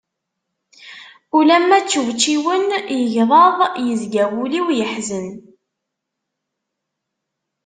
Ulamma ččewčiwen yegḍaḍ, yezga wul-iw yeḥzen.